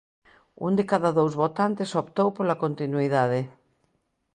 Un de cada dous votantes optou pola continuidade.